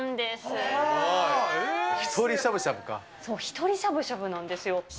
そう、一人しゃぶしゃぶなんですよ。